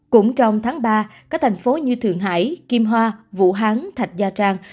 cũng trong tháng ba các thành phố như thường hải kim hoa vũ hán thạch gia trang